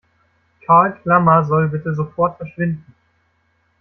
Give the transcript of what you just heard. Karl Klammer soll bitte sofort verschwinden!